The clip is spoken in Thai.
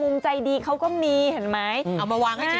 มุมใจดีเค้าก็มีเห็นไหม